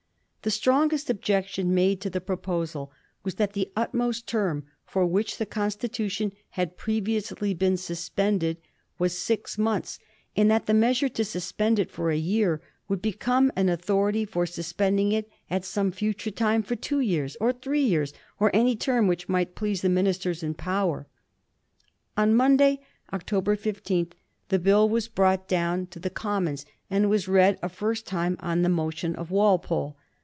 The strongest objection made to the pro posal was that the utmost term for which the Con stitution had previously been suspended was six months, and that the measure to suspend it for a year would become an authority for suspending it at some future time for two years, or three years, or any term which might please the ministers in power. On Monday, October 15, the Bill was brought down to Digitized by VjOOQIC 1722 CHARACTER OF ATTERBURY. 281 the Commons, and was read a first time on the motion of Walpole.